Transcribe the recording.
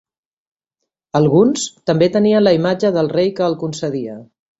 Alguns també tenien la imatge del rei que el concedia.